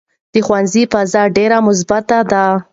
د ښوونځي فضا ډېره مثبته ده.